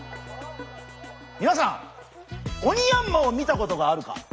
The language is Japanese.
みなさんオニヤンマを見たことがあるか？